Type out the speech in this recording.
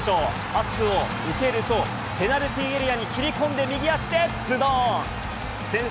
パスを受けると、ペナルティエリアに切り込んで右足でずどん。